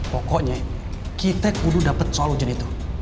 pokoknya kita kudu dapat soal ujian itu